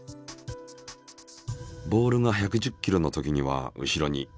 ボールが１１０キロのときには後ろに。